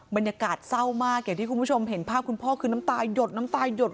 บรรยากาศเศร้ามากอย่างที่คุณผู้ชมเห็นภาพคุณพ่อคือน้ำตาหยดน้ำตายหยด